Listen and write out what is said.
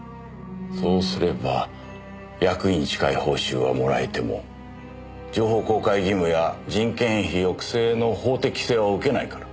そうすれば役員に近い報酬はもらえても情報公開義務や人件費抑制の法的規制は受けないから。